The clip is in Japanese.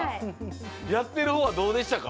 やってるほうはどうでしたか？